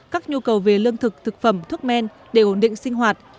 các nhu cầu về lương thực thực phẩm thuốc men để ổn định sinh hoạt